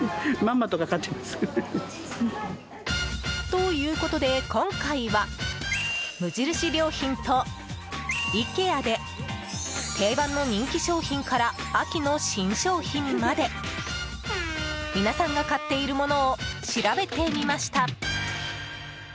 ということで今回は無印良品とイケアで定番の人気商品から秋の新商品まで皆さんが買っているものを調べてみました！